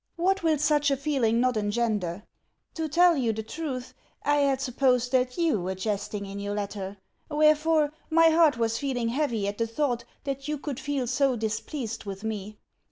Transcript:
What will such a feeling not engender? To tell you the truth, I had supposed that YOU were jesting in your letter; wherefore, my heart was feeling heavy at the thought that you could feel so displeased with me.